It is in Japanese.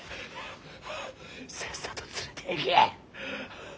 ハァハァさっさと連れていけ！